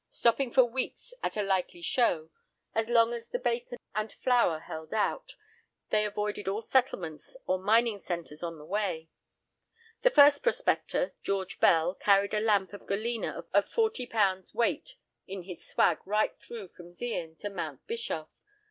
Stopping for weeks at a likely 'show,' as long as the bacon and flour held out, they avoided all settlements or mining centres on the way. The first prospector, George Bell, carried a lump of galena of forty pounds' weight in his swag right through from Zeehan to Mount Bischoff.